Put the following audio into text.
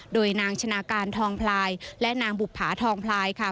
โดยนางชนะการทองพลายและนางบุภาทองพลายค่ะ